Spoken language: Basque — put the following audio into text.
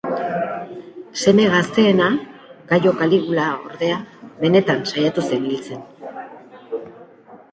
Seme gazteena, Gaio Kaligula, ordea, benetan saiatu zen hiltzen.